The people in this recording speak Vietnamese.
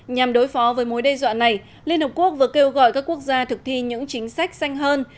nhằm đối phó với mối đe dọa này liên hợp quốc vừa kêu gọi các quốc gia thực thi những chính sách xanh hơn